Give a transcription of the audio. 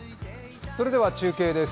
それでは中継です。